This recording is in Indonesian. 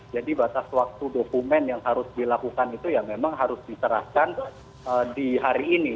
jadi batas waktu dokumen yang harus dilakukan itu ya memang harus diserahkan di hari ini